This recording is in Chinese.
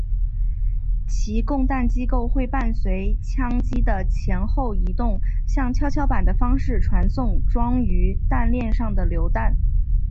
其供弹机构会伴随枪机的前后移动像跷跷板的方式传送装于弹链上的榴弹。